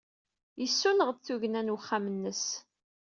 Yessuneɣ-d tugna n uxxam-nnes.